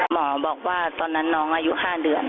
หมอบอกว่าตอนนั้นน้องอายุ๕เดือน